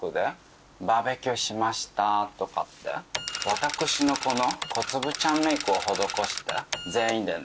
私のこの小粒ちゃんメイクを施して全員でね。